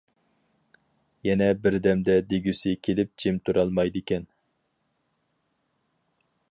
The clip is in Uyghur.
يەنە بىردەمدە دېگۈسى كېلىپ جىم تۇرالمايدىكەن.